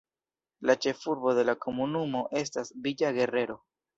La ĉefurbo de la komunumo estas Villa Guerrero.